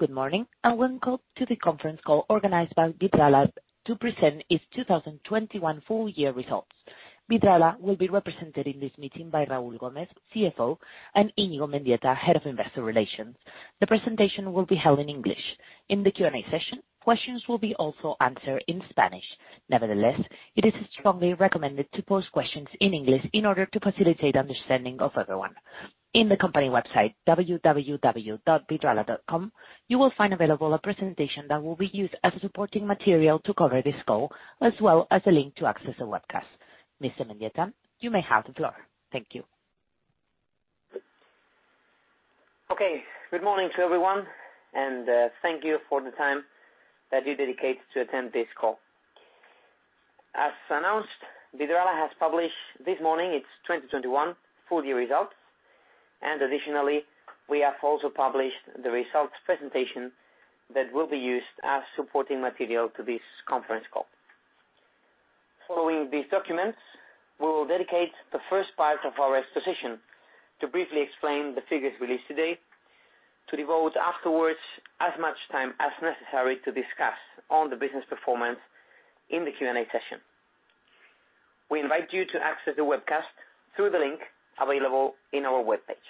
Good morning and welcome to the conference call organized by Vidrala to present its 2021 full year results. Vidrala will be represented in this meeting by Raúl Gómez, CFO, and Íñigo Mendieta, Head of Investor Relations. The presentation will be held in English. In the Q&A session, questions will be also answered in Spanish. Nevertheless, it is strongly recommended to pose questions in English in order to facilitate understanding of everyone. In the company website www.vidrala.com, you will find available a presentation that will be used as supporting material to cover this call, as well as a link to access the webcast. Mr. Mendieta, you may have the floor. Thank you. Okay. Good morning to everyone and thank you for the time that you dedicate to attend this call. As announced, Vidrala has published this morning its 2021 full year results. Additionally, we have also published the results presentation that will be used as supporting material to this conference call. Following these documents, we will dedicate the first part of our exposition to briefly explain the figures released today, to devote afterwards as much time as necessary to discuss on the business performance in the Q&A session. We invite you to access the webcast through the link available in our webpage.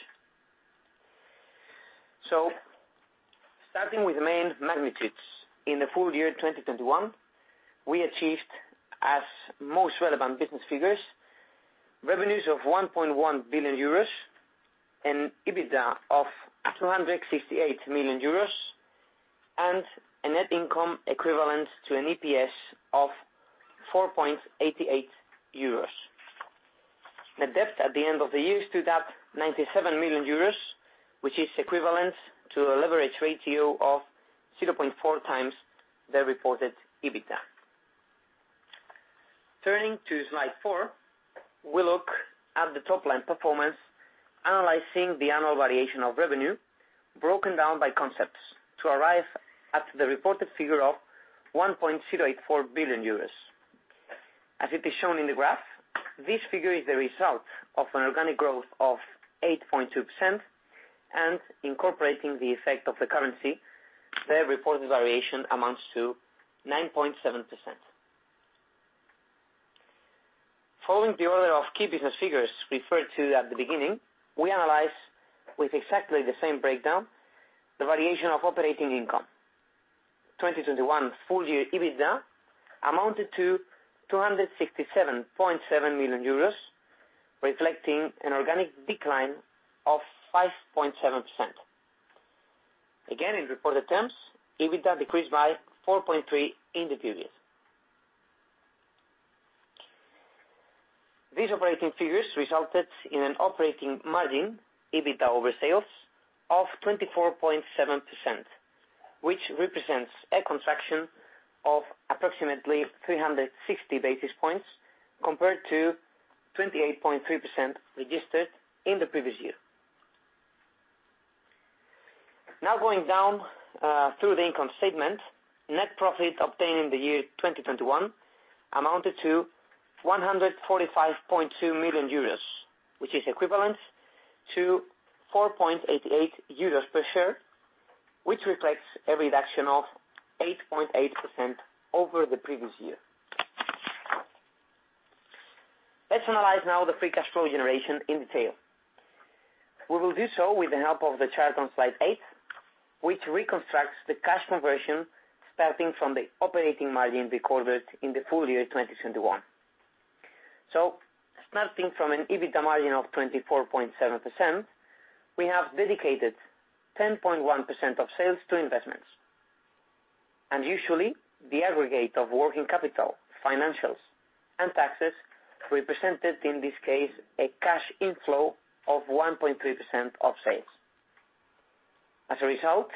Starting with the main magnitudes. In the full year 2021, we achieved the most relevant business figures, revenues of 1.1 billion euros, an EBITDA of 258 million euros, and a net income equivalent to an EPS of 4.88 euros. The debt at the end of the year stood at 97 million euros, which is equivalent to a leverage ratio of 0.4x the reported EBITDA. Turning to Slide 4, we look at the top-line performance, analyzing the annual variation of revenue broken down by concepts to arrive at the reported figure of 1.084 billion euros. As it is shown in the graph, this figure is the result of an organic growth of 8.2% and incorporating the effect of the currency, the reported variation amounts to 9.7%. Following the order of key business figures referred to at the beginning, we analyze with exactly the same breakdown the variation of operating income. 2021 full year EBITDA amounted to 267.7 million euros, reflecting an organic decline of 5.7%. Again, in reported terms, EBITDA decreased by 4.3% in the period. These operating figures resulted in an operating margin, EBITDA over sales, of 24.7%, which represents a contraction of approximately 360 basis points compared to 28.3% registered in the previous year. Now going down through the income statement. Net profit obtained in the year 2021 amounted to 145.2 million euros, which is equivalent to 4.88 euros per share, which reflects a reduction of 8.8% over the previous year. Let's analyze now the free cash flow generation in detail. We will do so with the help of the chart on slide 8, which reconstructs the cash conversion starting from the operating margin recorded in the full year 2021. Starting from an EBITDA margin of 24.7%, we have dedicated 10.1% of sales to investments. Usually the aggregate of working capital, financials, and taxes represented in this case a cash inflow of 1.3% of sales. As a result,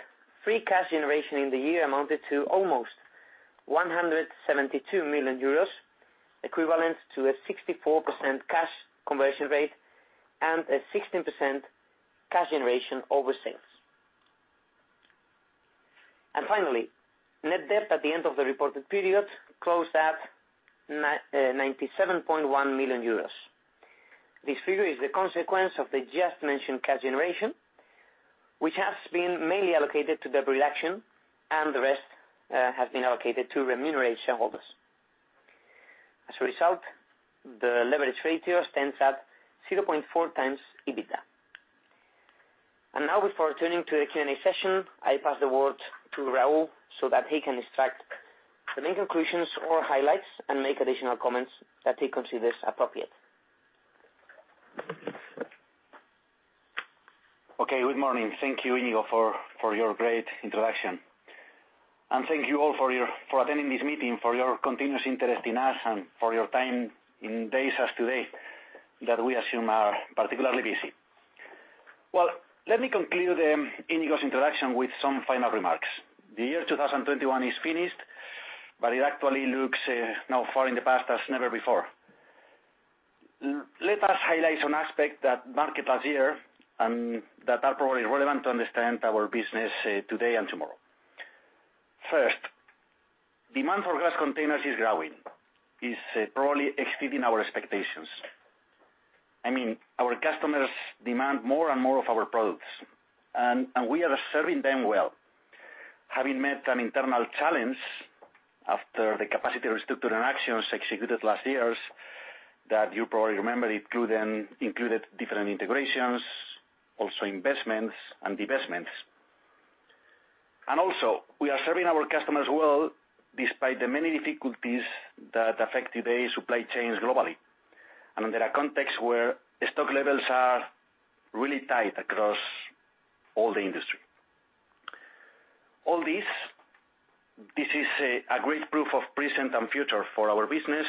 free cash generation in the year amounted to almost 172 million euros, equivalent to a 64% cash conversion rate and a 16% cash generation over sales. Finally, net debt at the end of the reported period closed at ninety-seven point one million euros. This figure is the consequence of the just mentioned cash generation, which has been mainly allocated to debt reduction and the rest has been allocated to remunerate shareholders. As a result, the leverage ratio stands at 0.4 times EBITDA. Now before turning to the Q&A session, I pass the word to Raúl so that he can extract the main conclusions or highlights and make additional comments that he considers appropriate. Okay. Good morning. Thank you, Íñigo, for your great introduction. Thank you all for attending this meeting, for your continuous interest in us and for your time in days like today that we assume are particularly busy. Well, let me conclude Íñigo's introduction with some final remarks. The year 2021 is finished. It actually looks now far in the past as never before. Let us highlight some aspects that marked last year and that are probably relevant to understand our business, today and tomorrow. First, demand for glass containers is growing. It's probably exceeding our expectations. I mean, our customers demand more and more of our products, and we are serving them well, having met an internal challenge after the capacity restructuring actions executed last year, that you probably remember. It included different integrations, also investments and divestments. also, we are serving our customers well despite the many difficulties that affect today's supply chains globally, and under a context where stock levels are really tight across all the industry. All this is a great proof of presence and future for our business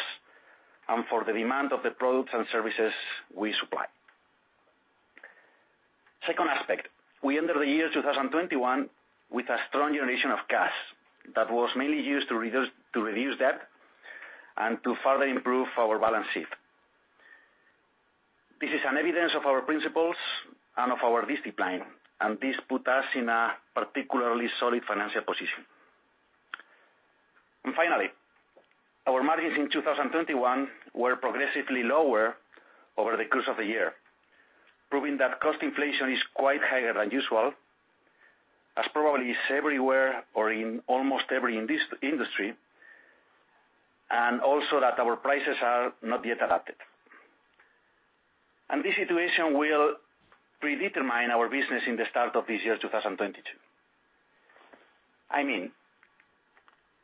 and for the demand of the products and services we supply. Second aspect, we ended the year 2021 with a strong generation of cash that was mainly used to reduce debt and to further improve our balance sheet. This is evidence of our principles and of our discipline, and this put us in a particularly solid financial position. Finally, our margins in 2021 were progressively lower over the course of the year, proving that cost inflation is quite higher than usual, as probably is everywhere or in almost every industry, and also that our prices are not yet adapted. This situation will predetermine our business in the start of this year, 2022. I mean,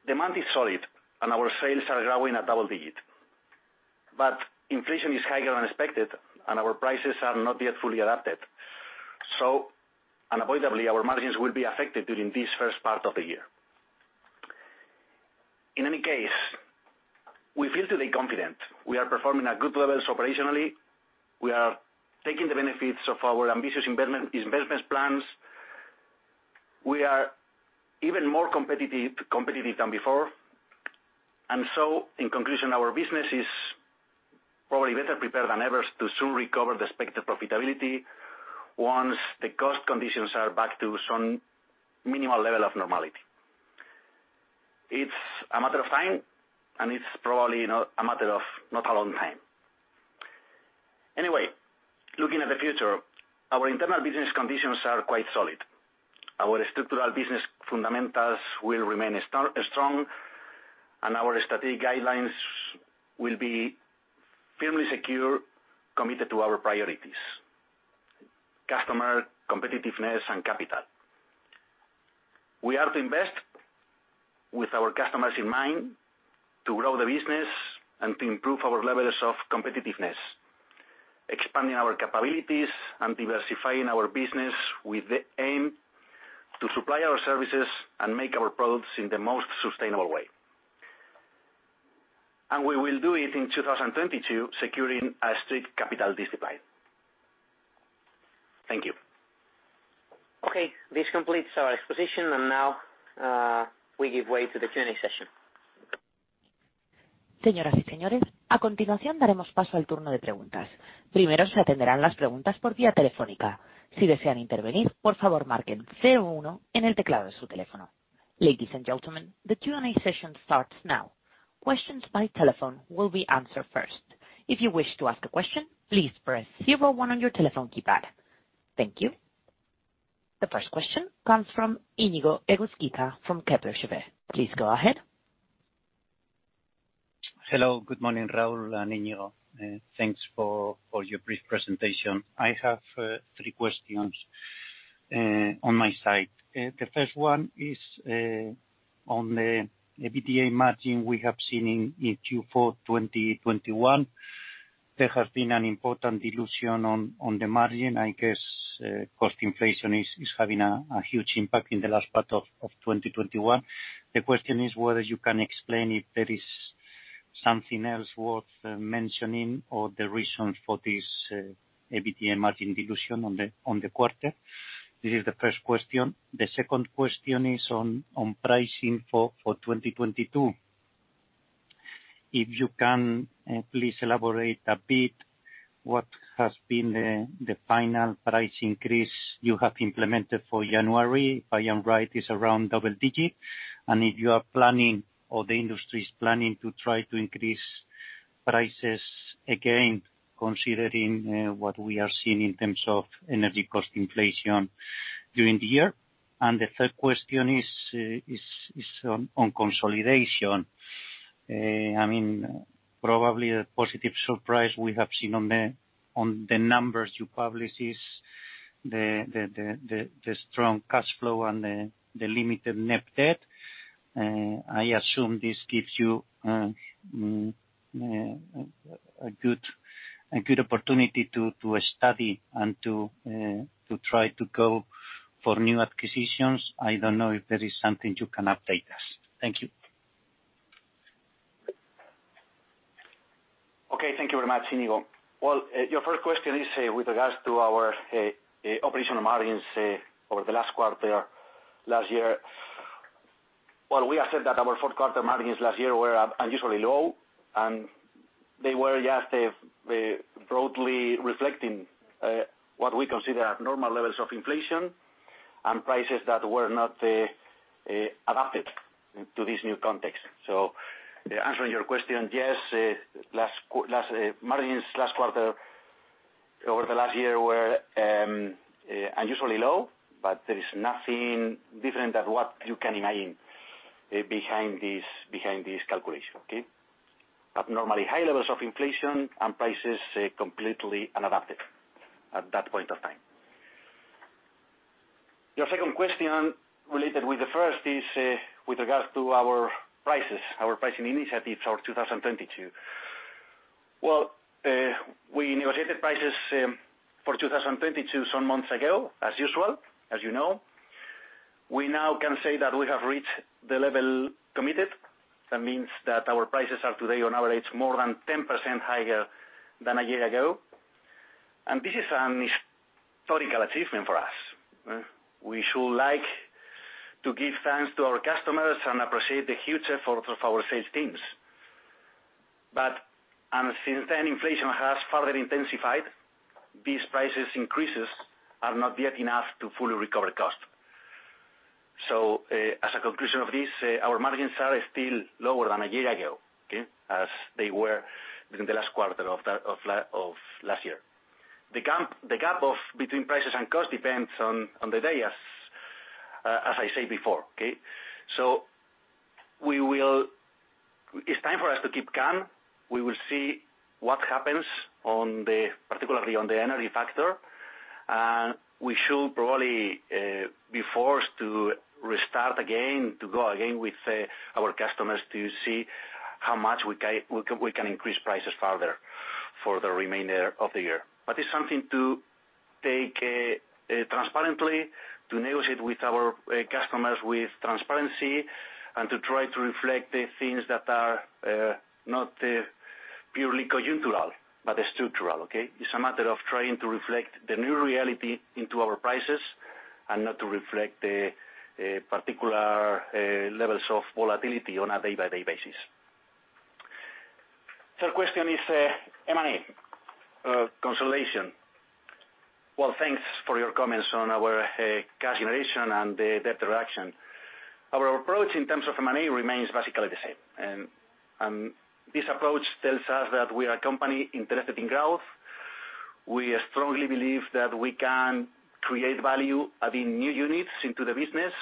demand is solid, and our sales are growing at double-digit. Inflation is higher than expected, and our prices are not yet fully adapted. Unavoidably, our margins will be affected during this first part of the year. In any case, we feel today confident. We are performing at good levels operationally. We are taking the benefits of our ambitious investments plans. We are even more competitive than before. In conclusion, our business is probably better prepared than ever to soon recover the expected profitability once the cost conditions are back to some minimal level of normality. It's a matter of time, and it's probably not a matter of a long time. Anyway, looking at the future, our internal business conditions are quite solid. Our structural business fundamentals will remain stay strong, and our strategic guidelines will be firmly secure, committed to our priorities, customer, competitiveness, and capital. We are to invest with our customers in mind, to grow the business and to improve our levels of competitiveness, expanding our capabilities and diversifying our business with the aim to supply our services and make our products in the most sustainable way. We will do it in 2022, securing a strict capital discipline. Thank you. Okay. This completes our exposition, and now, we give way to the Q&A session. Ladies and gentlemen, the Q&A session starts now. Questions by telephone will be answered first. If you wish to ask a question, please press zero-one on your telephone keypad. Thank you. The first question comes from Iñigo Egusquiza from Kepler Cheuvreux. Please go ahead. Hello. Good morning, Raúl and Íñigo. Thanks for your brief presentation. I have three questions on my side. The first one is on the EBITDA margin we have seen in Q4 2021. There has been an important dilution on the margin. I guess cost inflation is having a huge impact in the last part of 2021. The question is whether you can explain if there is something else worth mentioning or the reason for this EBITDA margin dilution on the quarter. This is the first question. The second question is on pricing for 2022. If you can please elaborate a bit what has been the final price increase you have implemented for January. If I am right, it's around double digit. If you are planning or the industry is planning to try to increase prices again, considering what we are seeing in terms of energy cost inflation during the year. The third question is on consolidation. I mean, probably a positive surprise we have seen on the numbers you publish is the strong cash flow and the limited net debt. I assume this gives you a good opportunity to study and to try to go for new acquisitions. I don't know if there is something you can update us. Thank you. Okay, thank you very much, Íñigo. Well, your first question is with regards to our the operational margins over the last quarter last year. Well, we accept that our Q4 margins last year were unusually low, and they were just broadly reflecting what we consider as normal levels of inflation and prices that were not adapted to this new context. Answering your question, yes, last margins last quarter over the last year were unusually low, but there is nothing different than what you can imagine behind this calculation, okay. Normally high levels of inflation and prices completely unadopted at that point of time. Your second question related with the first is with regards to our prices, our pricing initiatives for 2022. Well, we negotiated prices for 2022 some months ago, as usual, as you know. We now can say that we have reached the level committed. That means that our prices are today on average more than 10% higher than a year ago. This is an historical achievement for us. We should like to give thanks to our customers and appreciate the huge effort of our sales teams. But since then, inflation has further intensified, these price increases are not yet enough to fully recover cost. As a conclusion of this, our margins are still lower than a year ago, okay, as they were during the last quarter of last year. The gap between prices and cost depends on the day as I said before, okay? We will It's time for us to keep calm. We will see what happens, particularly on the energy factor, and we should probably be forced to restart again, to go again with our customers to see how much we can increase prices further for the remainder of the year. It's something to take transparently, to negotiate with our customers with transparency and to try to reflect the things that are not purely conjuncture, but structural, okay? It's a matter of trying to reflect the new reality into our prices and not to reflect the particular levels of volatility on a day-by-day basis. Third question is M&A consolidation. Well, thanks for your comments on our cash generation and the interaction. Our approach in terms of M&A remains basically the same. This approach tells us that we are a company interested in growth. We strongly believe that we can create value, adding new units into the business.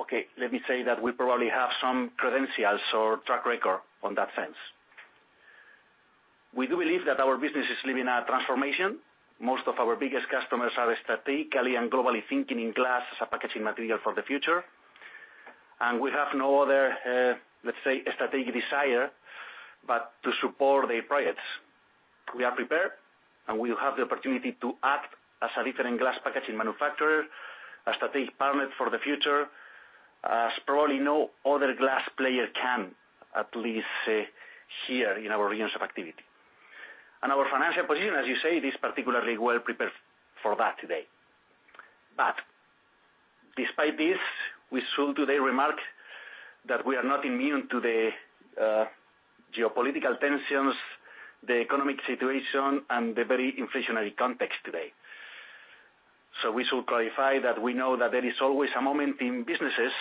Okay, let me say that we probably have some credentials or track record in that sense. We do believe that our business is living a transformation. Most of our biggest customers are strategically and globally thinking in glass as a packaging material for the future. We have no other, let's say, strategic desire, but to support their projects. We are prepared, and we will have the opportunity to act as a different glass packaging manufacturer, a strategic partner for the future, as probably no other glass player can, at least here in our regions of activity. Our financial position, as you say, is particularly well prepared for that today. Despite this, we should today remark that we are not immune to the geopolitical tensions, the economic situation and the very inflationary context today. We should clarify that we know that there is always a moment in businesses,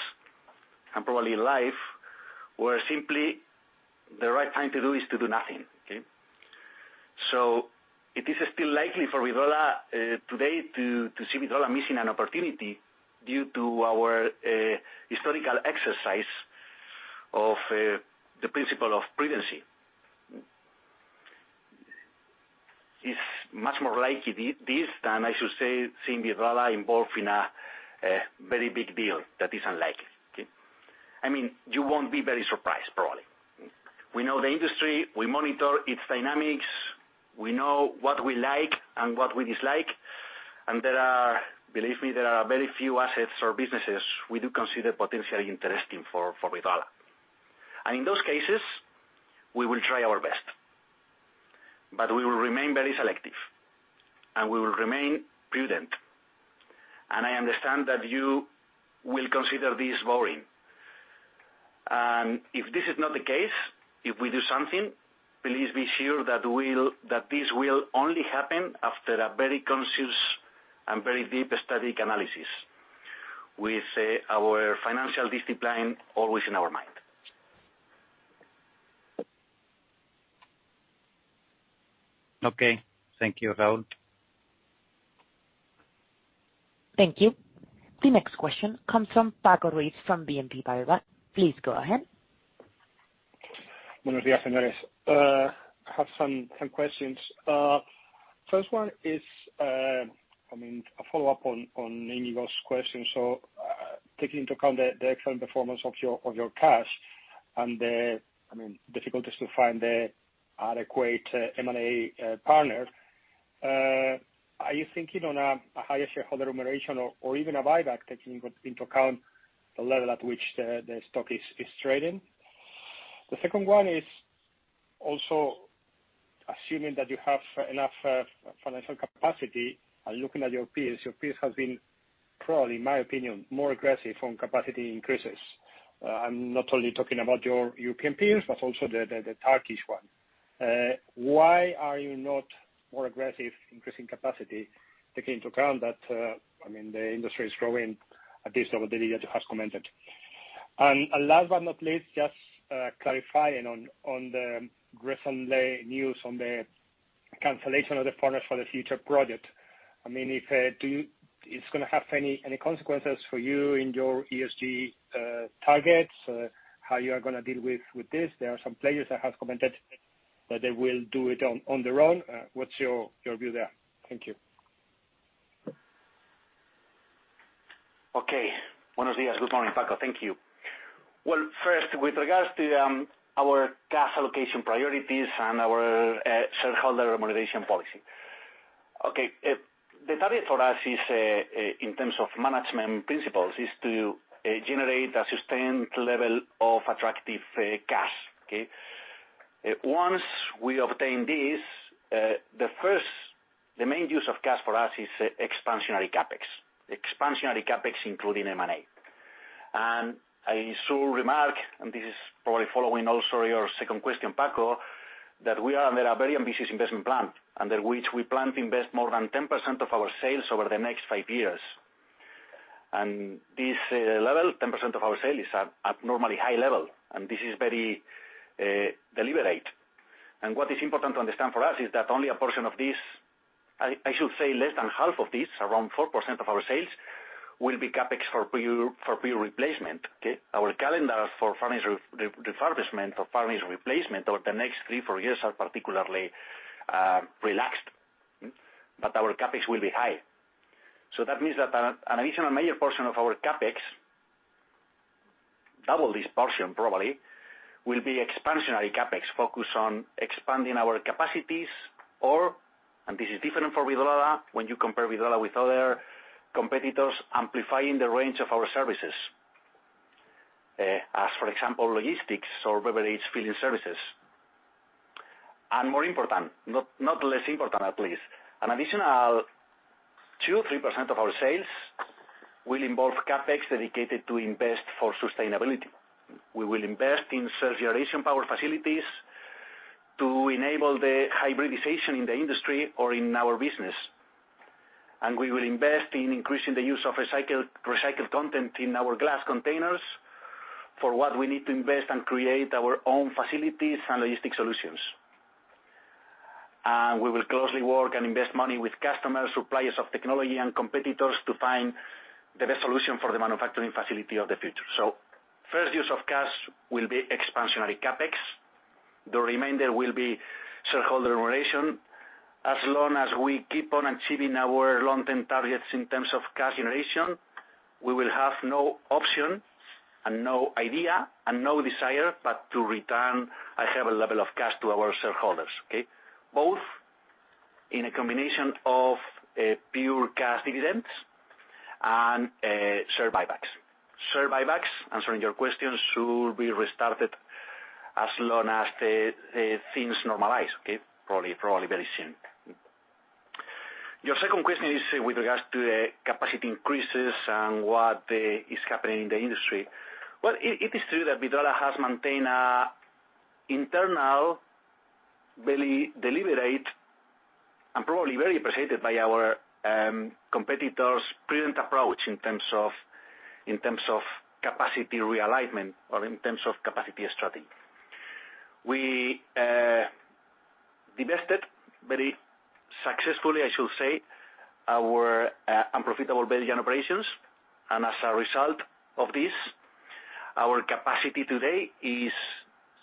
and probably in life, where simply the right time to do is to do nothing. Okay? It is still likely for Vidrala today to see Vidrala missing an opportunity due to our historical exercise of the principle of prudence. It's much more likely this than I should say seeing Vidrala involved in a very big deal that is unlikely, okay? I mean, you won't be very surprised, probably. We know the industry, we monitor its dynamics, we know what we like and what we dislike. There are, believe me, very few assets or businesses we do consider potentially interesting for Vidrala. In those cases, we will try our best. We will remain very selective, and we will remain prudent. I understand that you will consider this boring. If this is not the case, if we do something, please be sure that this will only happen after a very conscious and very deep strategic analysis. With our financial discipline always in our mind. Okay. Thank you, Raúl. Thank you. The next question comes from Paco Ruiz from BNP Paribas. Please go ahead. I have some questions. First one is, I mean, a follow-up on Íñigo's question. Taking into account the excellent performance of your cash and the, I mean, difficulties to find adequate M&A partner, are you thinking on a higher shareholder remuneration or even a buyback taking into account the level at which the stock is trading? The second one is also assuming that you have enough financial capacity and looking at your peers. Your peers have been probably, in my opinion, more aggressive on capacity increases. I'm not only talking about your European peers, but also the Turkish one. Why are you not more aggressive increasing capacity, taking into account that, I mean, the industry is growing at this level that you have commented. Last but not least, just clarifying on the recent news on the cancellation of the Furnace for the Future project. I mean, if it's gonna have any consequences for you in your ESG targets, how you are gonna deal with this? There are some players that have commented that they will do it on their own. What's your view there? Thank you. Okay. Good morning, Paco. Thank you. Well, first, with regards to our cash allocation priorities and our shareholder remuneration policy. Okay. The target for us is in terms of management principles to generate a sustained level of attractive cash, okay? Once we obtain this, the main use of cash for us is expansionary CapEx. Expansionary CapEx, including M&A. I should remark, and this is probably following also your second question, Paco, that we are under a very ambitious investment plan under which we plan to invest more than 10% of our sales over the next five years. This level, 10% of our sales, is an abnormally high level, and this is very deliberate. What is important to understand for us is that only a portion of this, I should say less than half of this, around 4% of our sales, will be CapEx for pre-replacement, okay? Our calendar for furnace refurbishment or furnace replacement over the next 3 to 4 years is particularly relaxed, but our CapEx will be high. That means that an additional major portion of our CapEx, double this portion probably, will be expansionary CapEx focused on expanding our capacities or, and this is different for Vidrala when you compare Vidrala with other competitors, amplifying the range of our services, as for example, logistics or beverage filling services. More important, not less important at least, an additional 2 to 3% of our sales will involve CapEx dedicated to invest for sustainability. We will invest in solar generation power facilities to enable the hybridization in the industry or in our business. We will invest in increasing the use of recycled content in our glass containers for what we need to invest and create our own facilities and logistic solutions. We will closely work and invest money with customers, suppliers of technology and competitors to find the best solution for the manufacturing facility of the future. First use of cash will be expansionary CapEx. The remainder will be shareholder remuneration. As long as we keep on achieving our long-term targets in terms of cash generation, we will have no option and no idea and no desire but to return a heavy level of cash to our shareholders, okay? Both in a combination of pure cash dividends and share buybacks. Share buybacks, answering your question, should be restarted as long as the things normalize, okay? Probably very soon. Your second question is with regards to the capacity increases and what is happening in the industry. Well, it is true that Vidrala has maintained an internal very deliberate and probably very appreciated by our competitors prudent approach in terms of capacity realignment or in terms of capacity strategy. We divested very successfully, I should say, our unprofitable Belgian operations, and as a result of this, our capacity today is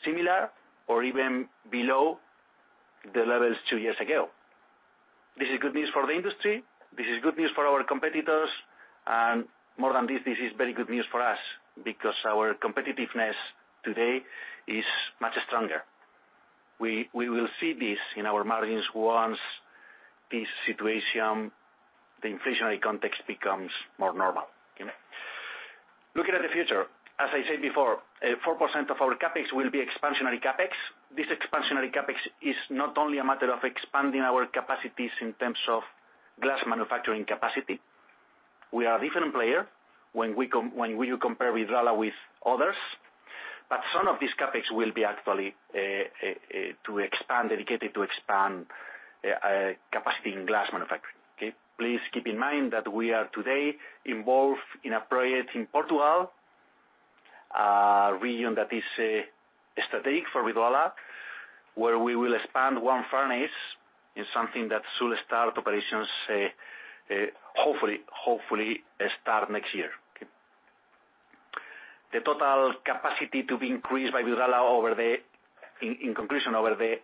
similar or even below the levels two years ago. This is good news for the industry, this is good news for our competitors, and more than this is very good news for us because our competitiveness today is much stronger. We will see this in our margins once this situation, the inflationary context, becomes more normal. Looking at the future, as I said before, 4% of our CapEx will be expansionary CapEx. This expansionary CapEx is not only a matter of expanding our capacities in terms of glass manufacturing capacity. We are a different player when we compare Vidrala with others, but some of this CapEx will be actually dedicated to expand capacity in glass manufacturing, okay? Please keep in mind that we are today involved in a project in Portugal, a region that is strategic for Vidrala, where we will expand one furnace in something that should start operations, hopefully start next year. The total capacity to be increased by Vidrala over the In conclusion, over the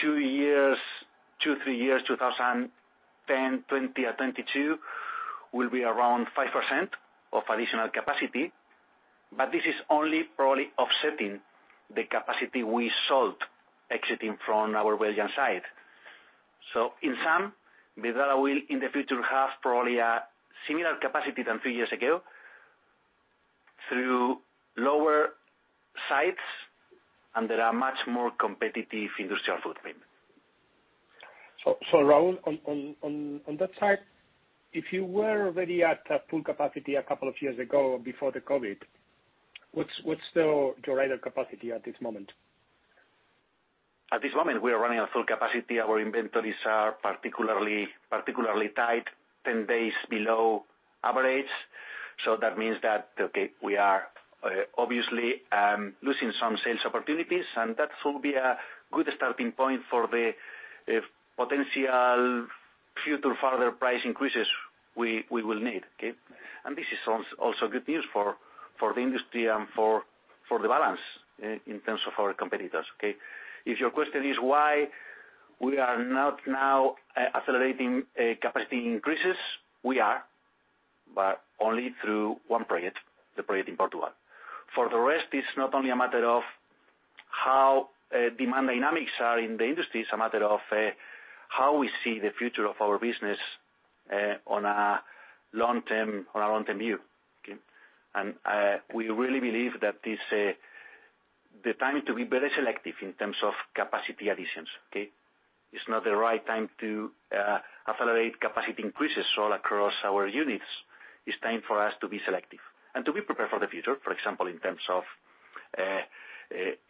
two or three years will be around 5% of additional capacity. This is only probably offsetting the capacity we sold exiting from our Belgian site. In sum, Vidrala will, in the future, have probably a similar capacity to three years ago through fewer sites and a much more competitive industrial footprint. Raúl, on that site, if you were already at full capacity a couple of years ago before the COVID, what's your rated capacity at this moment? At this moment, we are running on full capacity. Our inventories are particularly tight, 10 days below average. That means that we are obviously losing some sales opportunities, and that will be a good starting point for the potential future further price increases we will need. This is also good news for the industry and for the balance in terms of our competitors. If your question is why we are not now accelerating capacity increases, we are, but only through one project, the project in Portugal. For the rest, it's not only a matter of how demand dynamics are in the industry, it's a matter of how we see the future of our business on a long-term view. We really believe that this is the time to be very selective in terms of capacity additions, okay? It's not the right time to accelerate capacity increases all across our units. It's time for us to be selective and to be prepared for the future, for example, in terms of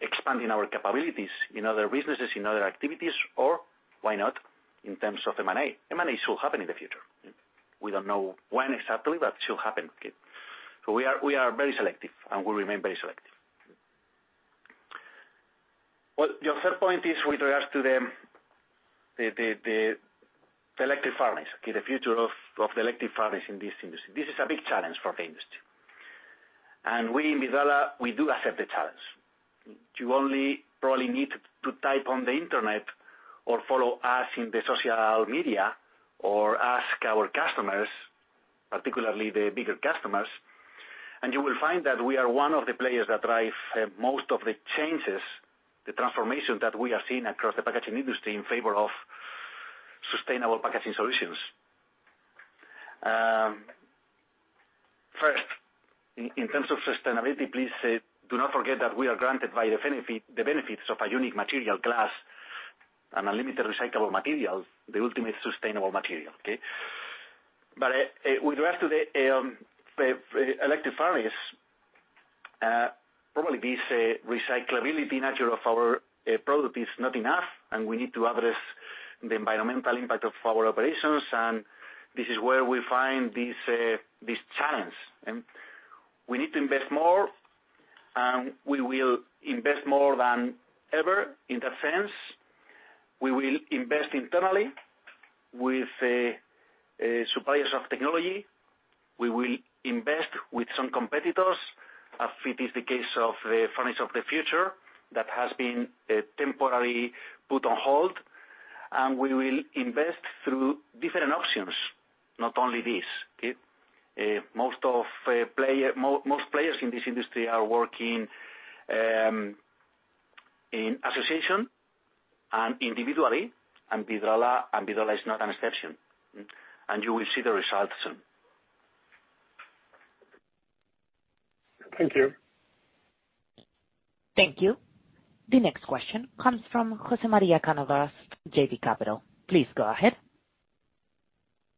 expanding our capabilities in other businesses, in other activities, or why not, in terms of M&A. M&A still happen in the future. We don't know when exactly, but it still happen, okay. We are very selective, and we'll remain very selective. Well, your third point is with regards to the electric furnace, okay, the future of the electric furnace in this industry. This is a big challenge for the industry. We in Vidrala do accept the challenge. You only probably need to type on the Internet or follow us in the social media or ask our customers, particularly the bigger customers, and you will find that we are one of the players that drive most of the changes, the transformation that we are seeing across the packaging industry in favor of sustainable packaging solutions. First, in terms of sustainability, please do not forget that we are granted by the benefits of a unique material glass and unlimited recyclable materials, the ultimate sustainable material, okay? With regards to the electric furnace, probably this recyclability nature of our product is not enough, and we need to address the environmental impact of our operations. This is where we find this challenge. We need to invest more, and we will invest more than ever in that sense. We will invest internally with suppliers of technology. We will invest with some competitors, as it is the case of the Furnace for the Future that has been temporarily put on hold. We will invest through different options, not only this, okay? Most players in this industry are working in association and individually, and Vidrala is not an exception. You will see the results soon. Thank you. Thank you. The next question comes from José María Cánovas, JB Capital. Please go ahead.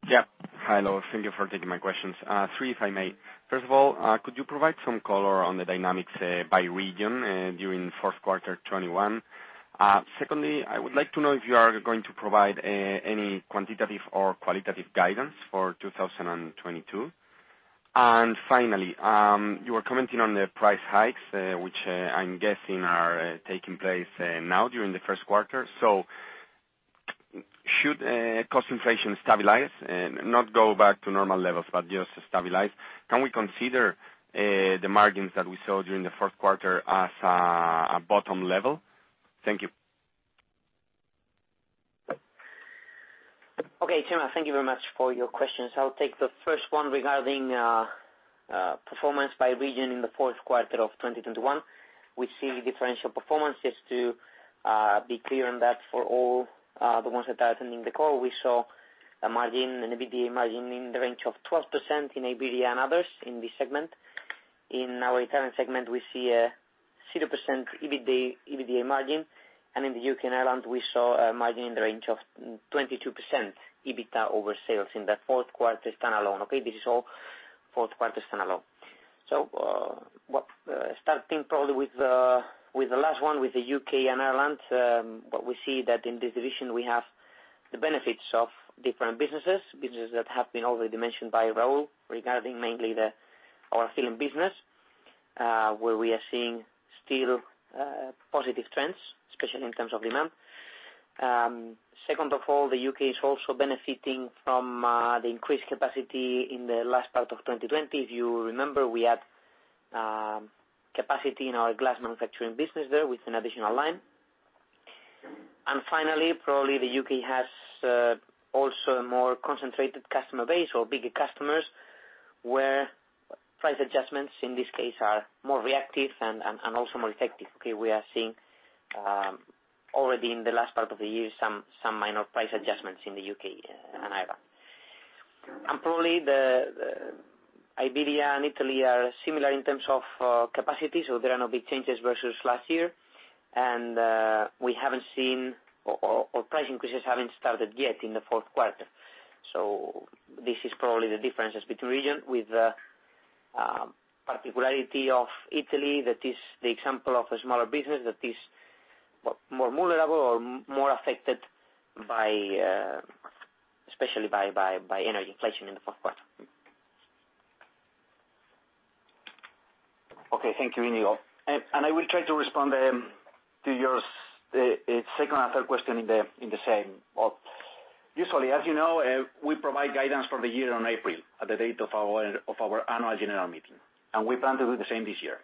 Yeah. Hello. Thank you for taking my questions. Three, if I may. First of all, could you provide some color on the dynamics by region during Q4 2021? Secondly, I would like to know if you are going to provide any quantitative or qualitative guidance for 2022. Finally, you were commenting on the price hikes, which I'm guessing are taking place now during the Q1. Should cost inflation stabilize, not go back to normal levels, but just stabilize, can we consider the margins that we saw during the Q4 as a bottom level? Thank you. Okay. José María, thank you very much for your questions. I'll take the first one regarding performance by region in the Q4 of 2021. We see differential performances to be clear on that for all the ones that are attending the call. We saw a margin, an EBITDA margin in the range of 12% in Iberia and others in this segment. In our Italian segment, we see a 0% EBITDA margin. In the U.K. and Ireland, we saw a margin in the range of 22% EBITDA over sales in that Q4 standalone, okay. This is all Q4 standalone. Starting probably with the last one, with the U.K. and Ireland, what we see that in this division, we have the benefits of different businesses that have been already mentioned by Raúl regarding mainly our filling business, where we are seeing still positive trends, especially in terms of demand. Second of all, the U.K. is also benefiting from the increased capacity in the last part of 2020. If you remember, we had capacity in our glass manufacturing business there with an additional line. Finally, probably the U.K. has also a more concentrated customer base or bigger customers where price adjustments in this case are more reactive and also more effective. Okay, we are seeing already in the last part of the year some minor price adjustments in the U.K. and Ireland. We haven't seen. Price increases haven't started yet in the Q4. This is probably the differences between regions with particularity of Italy that is the example of a smaller business that is more vulnerable or more affected by, especially by energy inflation in the Q4. Okay. Thank you, Íñigo. I will try to respond to your second and third question in the same. Usually, as you know, we provide guidance for the year in April at the date of our annual general meeting, and we plan to do the same this year.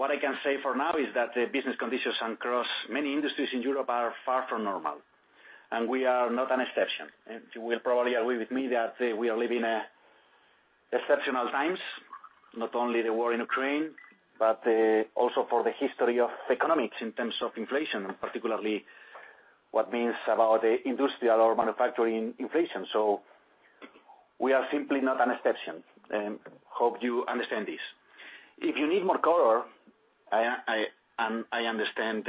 What I can say for now is that the business conditions across many industries in Europe are far from normal, and we are not an exception. You will probably agree with me that we are living exceptional times, not only the war in Ukraine, but also for the history of economics in terms of inflation, and particularly what it means about industrial or manufacturing inflation. We are simply not an exception and hope you understand this. If you need more color, I understand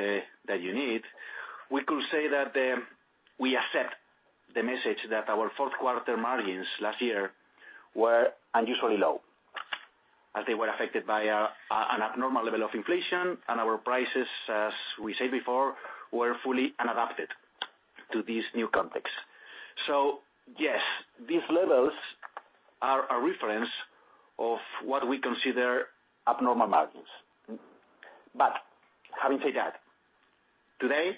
we could say that we accept the message that our Q4 margins last year were unusually low as they were affected by an abnormal level of inflation. Our prices, as we said before, were fully unadopted to this new context. Yes, these levels are a reference of what we consider abnormal margins. Having said that, today,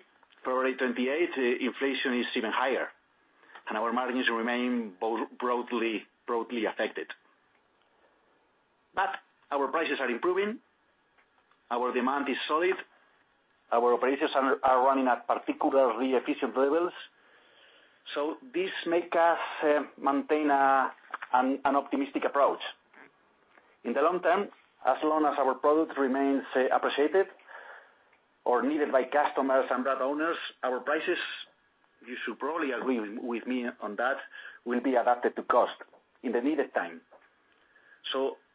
February 28, inflation is even higher, and our margins remain both broadly affected. Our prices are improving, our demand is solid, our operations are running at particularly efficient levels, so this make us maintain an optimistic approach. In the long term, as long as our product remains appreciated or needed by customers and route owners, our prices, you should probably agree with me on that, will be adapted to cost in the needed time.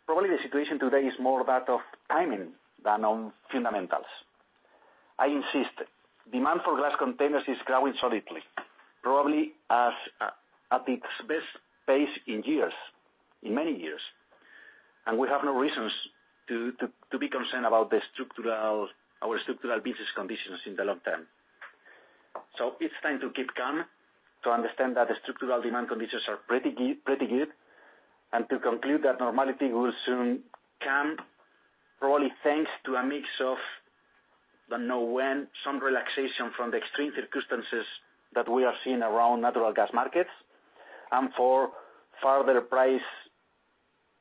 Probably the situation today is more that of timing than on fundamentals. I insist, demand for glass containers is growing solidly, probably as at its best pace in years, in many years. We have no reasons to be concerned about our structural business conditions in the long term. It's time to keep calm to understand that the structural demand conditions are pretty good, and to conclude that normality will soon come, probably thanks to a mix of, don't know when, some relaxation from the extreme circumstances that we are seeing around natural gas markets and for further price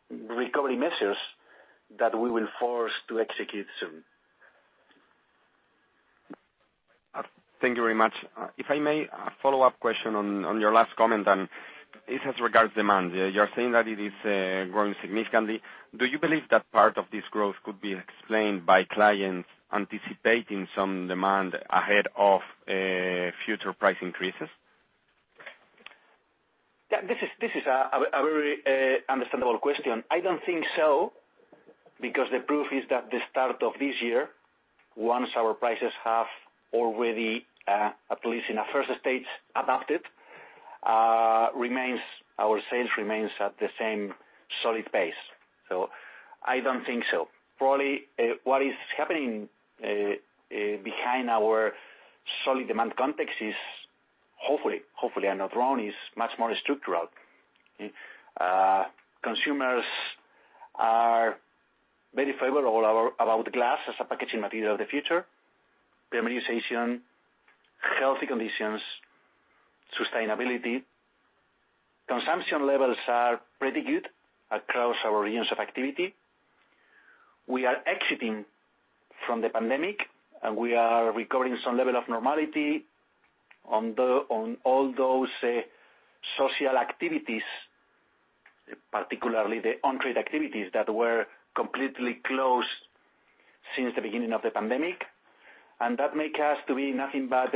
recovery measures that we will force to execute soon. Thank you very much. If I may, a follow-up question on your last comment, then. With regards to demand. You're saying that it is growing significantly. Do you believe that part of this growth could be explained by clients anticipating some demand ahead of future price increases? This is a very understandable question. I don't think so, because the proof is that at the start of this year, once our prices have already at least in a first stage adapted, our sales remain at the same solid pace. I don't think so. Probably what is happening behind our solid demand context is hopefully, I'm not wrong, much more structural. Consumers are very favorable about glass as a packaging material of the future. Permeation, healthy conditions, sustainability. Consumption levels are pretty good across our regions of activity. We are exiting from the pandemic, and we are recovering some level of normality on all those social activities, particularly the on-trade activities that were completely closed since the beginning of the pandemic. That make us to be nothing but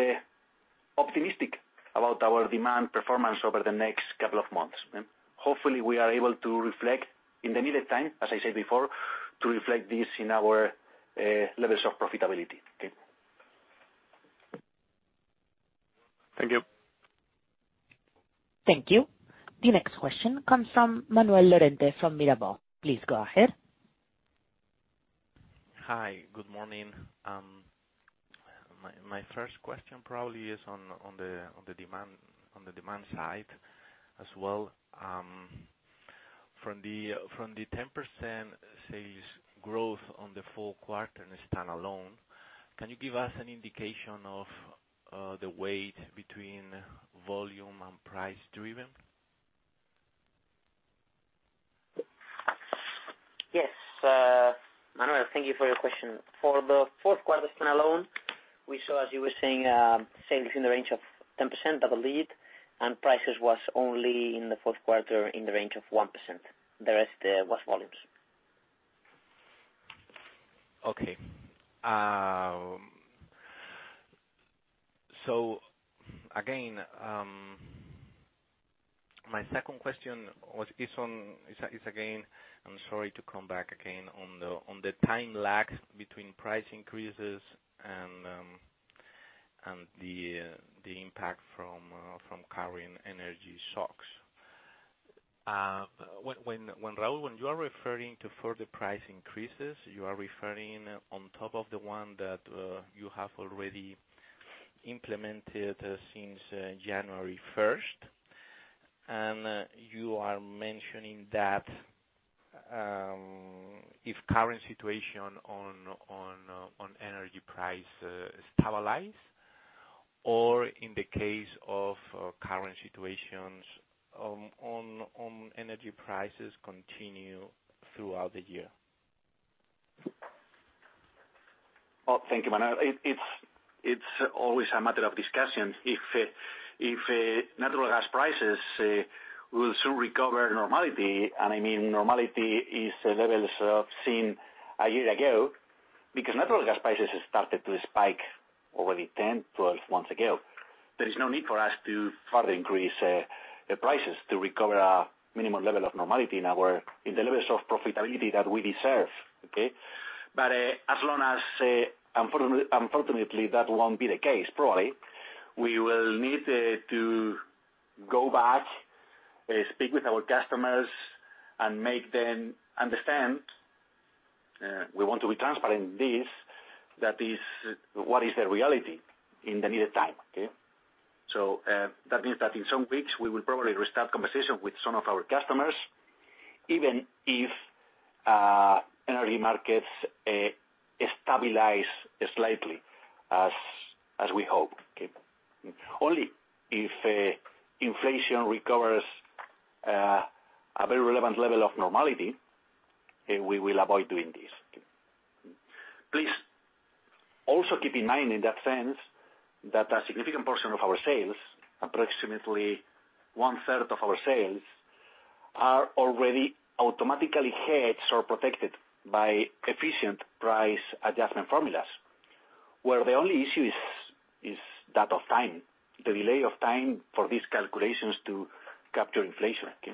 optimistic about our demand performance over the next couple of months. Hopefully, we are able to reflect in the needed time, as I said before, to reflect this in our levels of profitability. Okay. Thank you. Thank you. The next question comes from Manuel Lorente from Mirabaud. Please go ahead. Hi. Good morning. My first question probably is on the demand side as well. From the 10% sales growth on the Q4 standalone, can you give us an indication of the weight between volume and price driven? Yes. Manuel, thank you for your question. For the Q4r stand alone, we saw, as you were saying, sales in the range of 10% double-digit, and prices was only in the Q4 in the range of 1%. The rest was volumes. Okay. Again, my second question is on the time lag between price increases and the impact from current energy shocks. When Raúl, you are referring to further price increases on top of the one that you have already implemented since January first, and you are mentioning that, if current situation on energy price stabilize or in the case of current situations on energy prices continue throughout the year. Well, thank you, Manuel. It's always a matter of discussion if natural gas prices will soon recover normality, and I mean, normality is levels seen a year ago, because natural gas prices started to spike already 10, 12 months ago. There is no need for us to further increase prices to recover our minimum level of normality in the levels of profitability that we deserve, okay? As long as unfortunately that won't be the case probably, we will need to go back, speak with our customers and make them understand, we want to be transparent in this, that is what is the reality in the near term, okay? That means that in some weeks we will probably restart conversation with some of our customers, even if energy markets stabilize slightly as we hope, okay? Only if inflation recovers a very relevant level of normality, we will avoid doing this, okay? Please also keep in mind in that sense that a significant portion of our sales, approximately 1/3 of our sales, are already automatically hedged or protected by efficient price adjustment formulas, where the only issue is that of time, the delay of time for these calculations to capture inflation, okay?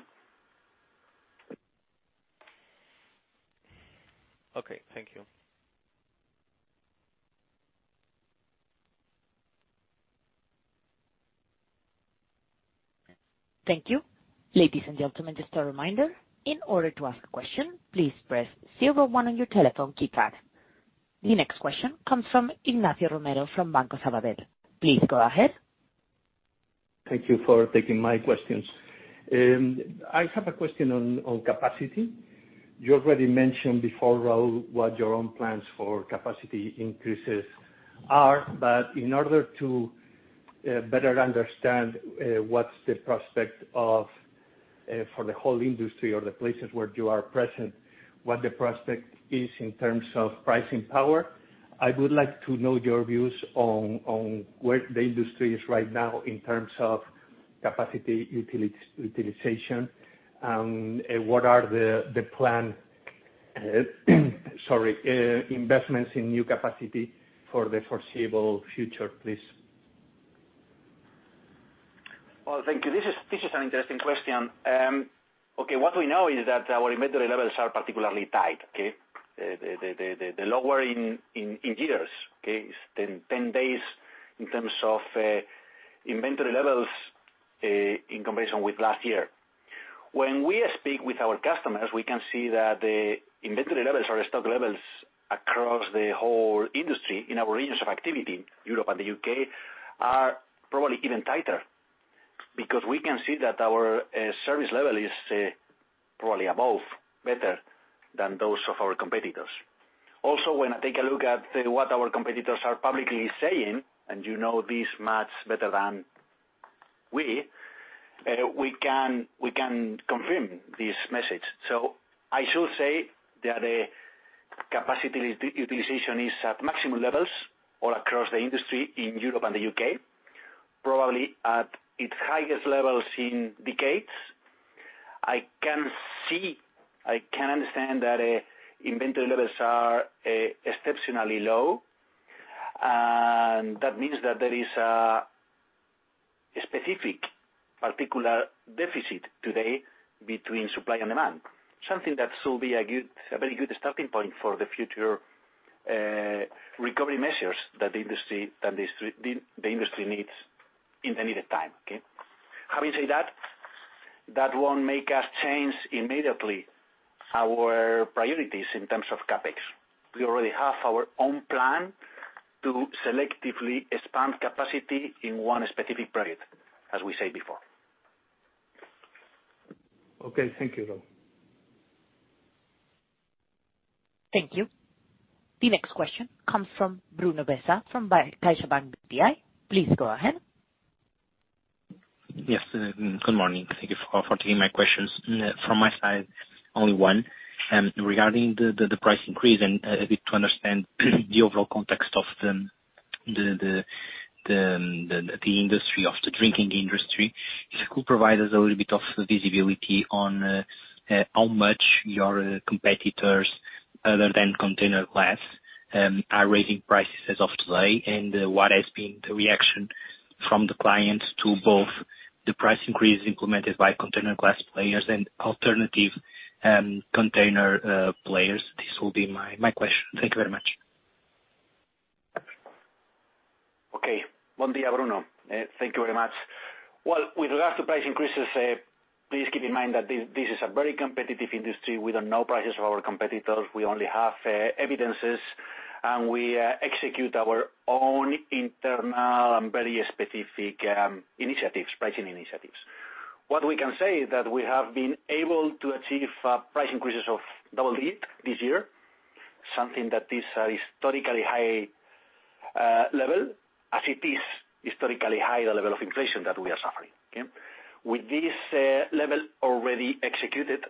Okay. Thank you. Thank you. Ladies and gentlemen, just a reminder. In order to ask a question, please press zero-one on your telephone keypad. The next question comes from Ignacio Romero from Banco Sabadell. Please go ahead. Thank you for taking my questions. I have a question on capacity. You already mentioned before, Raúl, what your own plans for capacity increases are. In order to better understand what's the prospect of for the whole industry or the places where you are present, what the prospect is in terms of pricing power, I would like to know your views on where the industry is right now in terms of capacity utilization, and what are the investments in new capacity for the foreseeable future, please. Well, thank you. This is an interesting question. Okay, what we know is that our inventory levels are particularly tight, okay? The lowest in years, okay? It's been 10 days in terms of inventory levels in comparison with last year. When we speak with our customers, we can see that the inventory levels or stock levels across the whole industry in our regions of activity, Europe and the U.K., are probably even tighter because we can see that our service level is probably better than those of our competitors. Also, when I take a look at what our competitors are publicly saying, and you know this much better than we can confirm this message. I should say that the capacity utilization is at maximum levels all across the industry in Europe and the U.K., probably at its highest levels in decades. I can see, I can understand that inventory levels are exceptionally low, and that means that there is a specific particular deficit today between supply and demand, something that will be a good, a very good starting point for the future, recovery measures that the industry needs in the needed time, okay? Having said that won't make us change immediately our priorities in terms of CapEx. We already have our own plan to selectively expand capacity in one specific project, as we said before. Okay. Thank you, Raúl. Thank you. The next question comes from Bruno Bessa from Deutsche Bank. Please go ahead. Yes. Good morning. Thank you for taking my questions. From my side, only one regarding the price increase and a bit to understand the overall context of the industry of the drinking industry. If you could provide us a little bit of visibility on how much your competitors other than Container Glass are raising prices as of today. What has been the reaction from the clients to both the price increase implemented by Container Glass players and alternative container players? This will be my question. Thank you very much. Okay. Bruno. Thank you very much. Well, with regards to price increases, please keep in mind that this is a very competitive industry. We don't know prices of our competitors. We only have evidence, and we execute our own internal and very specific initiatives, pricing initiatives. What we can say is that we have been able to achieve price increases of double-digit this year, something that is a historically high level, as it is historically high, the level of inflation that we are suffering. With this level already executed,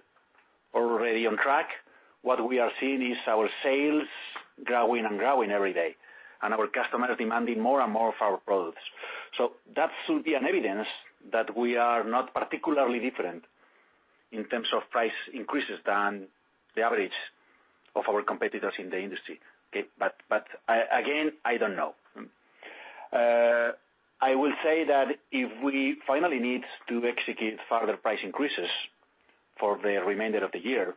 already on track, what we are seeing is our sales growing and growing every day, and our customers demanding more and more of our products. That should be an evidence that we are not particularly different in terms of price increases than the average of our competitors in the industry. Okay. Again, I don't know. I will say that if we finally need to execute further price increases for the remainder of the year,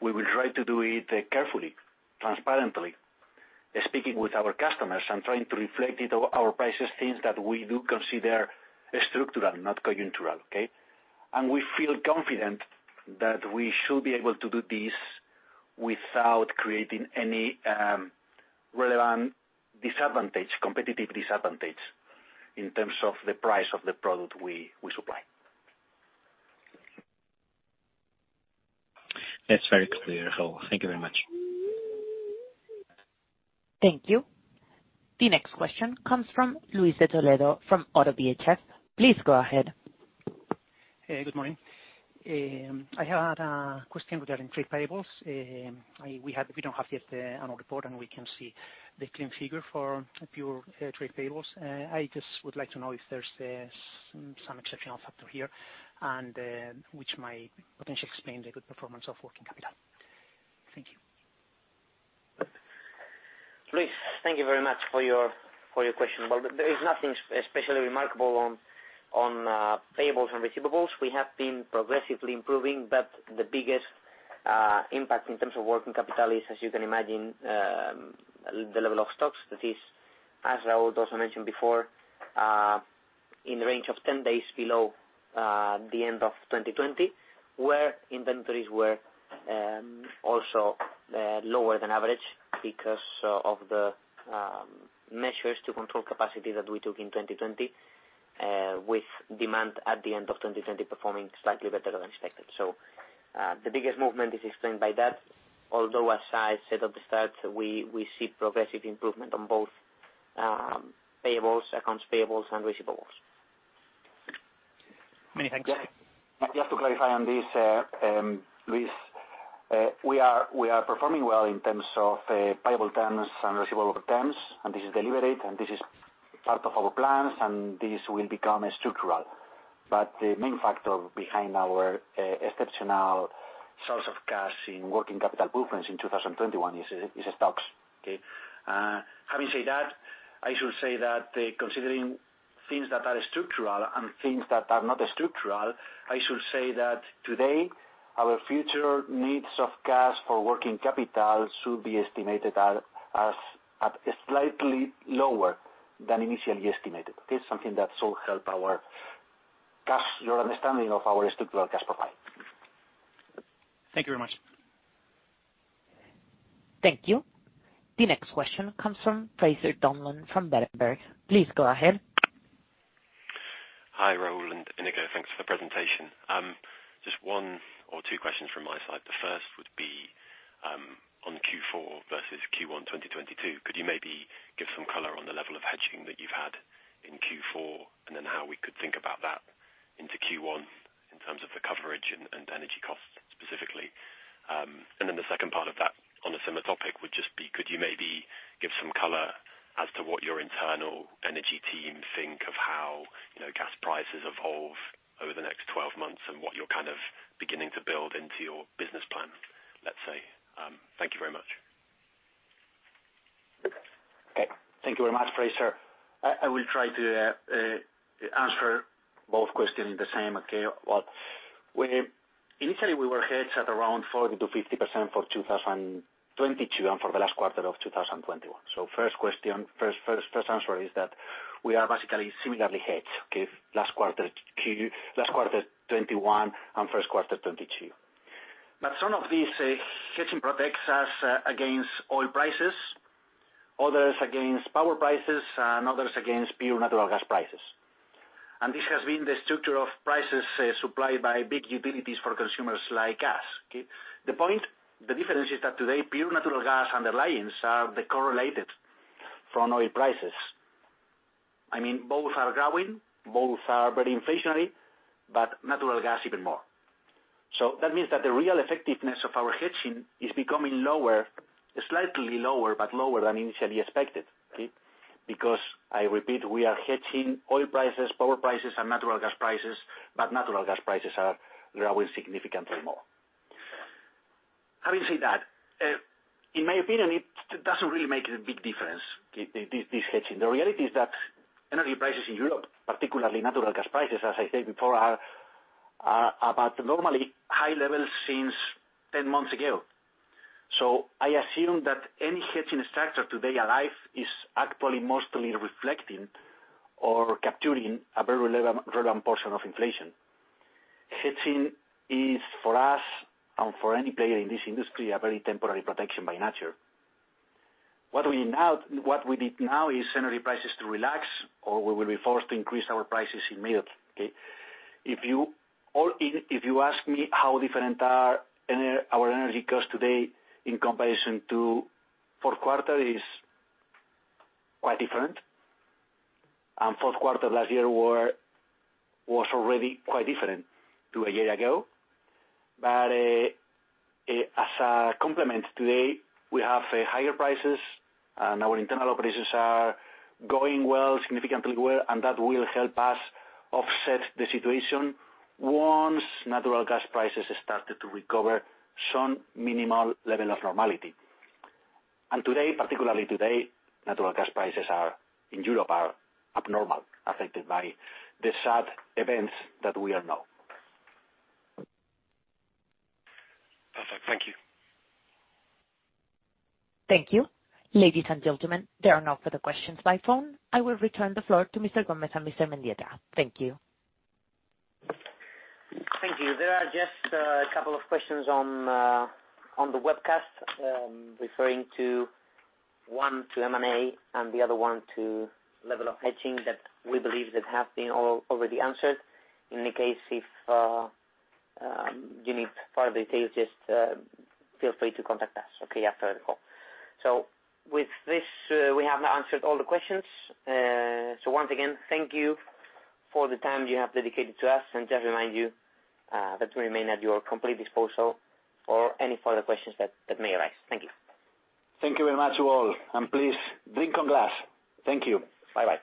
we will try to do it carefully, transparently, speaking with our customers and trying to reflect in our prices things that we do consider structural, not conjunctural, okay? We feel confident that we should be able to do this without creating any relevant disadvantage, competitive disadvantage in terms of the price of the product we supply. That's very clear, Raúl. Thank you very much. Thank you. The next question comes from Luis de Toledo from Oddo BHF. Please go ahead. Hey, good morning. I had a question regarding trade payables. We don't have yet the annual report, and we can see the clean figure for pure trade payables. I just would like to know if there's some exceptional factor here and which might potentially explain the good performance of working capital. Thank you. Luis, thank you very much for your question. Well, there is nothing especially remarkable on payables and receivables. We have been progressively improving, but the biggest impact in terms of working capital is, as you can imagine, the level of stocks. That is, as Raúl also mentioned before, in the range of 10 days below the end of 2020, where inventories were also lower than average because of the measures to control capacity that we took in 2020, with demand at the end of 2020 performing slightly better than expected. The biggest movement is explained by that. Although, as I said at the start, we see progressive improvement on both payables, accounts payables, and receivables. Many thanks. Just to clarify on this, Luis, we are performing well in terms of payable terms and receivable terms, and this is deliberate, and this is part of our plans, and this will become structural. The main factor behind our exceptional source of cash in working capital improvements in 2021 is stocks. Okay. Having said that, I should say that considering things that are structural and things that are not structural, I should say that today, our future needs of cash for working capital should be estimated at slightly lower than initially estimated. Okay. Something that will help our cash, your understanding of our structural cash profile. Thank you very much. Thank you. The next question comes from Fraser Donlon from Berenberg. Please go ahead. Hi, Raúl and Íñigo. Thanks for the presentation. Just one or two questions from my side. The first would be on Q4 versus Q1 2022. Could you maybe give some color on the level of hedging that you've had in Q4, and then how we could think about that into Q1 in terms of the coverage and energy costs specifically? The second part of that on a similar topic would just be could you maybe give some color as to what your internal energy team think of how, you know, gas prices evolve over the next 12 months and what you're kind of beginning to build into your business plan, let's say? Thank you very much. Okay. Thank you very much, Fraser. I will try to answer both questions in the same. Okay. Well, initially we were hedged at around 40 to 50% for 2022 and for the last quarter of 2021. First answer is that we are basically similarly hedged, okay? Last quarter 2021 and Q1 2022. Some of this hedging protects us against oil prices, others against power prices, and others against pure natural gas prices. This has been the structure of prices supplied by big utilities for consumers like us. Okay? The point, the difference is that today, pure natural gas underlyings are correlated from oil prices. I mean, both are growing, both are very inflationary, but natural gas even more. That means that the real effectiveness of our hedging is becoming lower, slightly lower, but lower than initially expected, okay? Because I repeat, we are hedging oil prices, power prices, and natural gas prices, but natural gas prices are growing significantly more. Having said that, in my opinion, it doesn't really make a big difference, this hedging. The reality is that energy prices in Europe, particularly natural gas prices, as I said before, are at about normal high levels since 10 months ago. I assume that any hedging structure that's alive is actually mostly reflecting or capturing a very relevant portion of inflation. Hedging is, for us and for any player in this industry, a very temporary protection by nature. What we need now is energy prices to relax, or we will be forced to increase our prices in mid, okay? If you ask me how different our energy costs are today in comparison to Q4, it is quite different. Q4 last year was already quite different to a year ago. As a complement, today we have higher prices and our internal operations are going well, significantly well, and that will help us offset the situation once natural gas prices have started to recover some minimal level of normality. Today, particularly today, natural gas prices are in Europe abnormal, affected by the sad events that we all know. Perfect. Thank you. Thank you. Ladies and gentlemen, there are no further questions by phone. I will return the floor to Mr. Gómez and Mr. Mendieta. Thank you. Thank you. There are just a couple of questions on the webcast, referring to one to M&A and the other one to level of hedging that we believe that have been already answered. In any case, if you need further details, just feel free to contact us, okay? After the call. With this, we have now answered all the questions. Once again, thank you for the time you have dedicated to us, and just remind you that we remain at your complete disposal for any further questions that may arise. Thank you. Thank you very much, you all, and please drink in glass. Thank you. Bye-bye.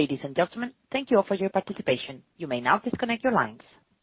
Ladies and gentlemen, thank you all for your participation. You may now disconnect your lines.